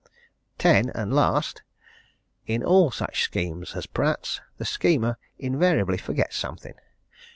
"10. And last in all such schemes as Pratt's, the schemer invariably forgets something.